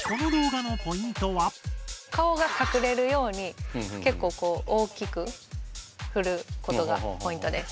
顔が隠れるように結構こう大きく振ることがポイントです。